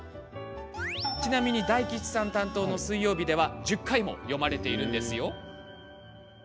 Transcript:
大吉さん担当の水曜日では１０回も読まれているんです。